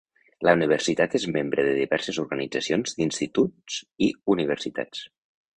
La universitat és membre de diverses organitzacions d'instituts i universitats.